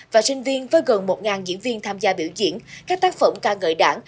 và sinh viên với gần một diễn viên tham gia biểu diễn các tác phẩm ca ngợi đảng